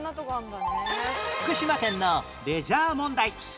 福島県のレジャー問題